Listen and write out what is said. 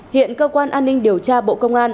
hiện cơ quan an ninh điều tra bộ công an